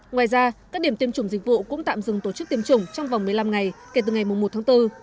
ngoài ra các điểm tiêm chủng dịch vụ cũng tạm dừng tổ chức tiêm chủng trong vòng một mươi năm ngày kể từ ngày một tháng bốn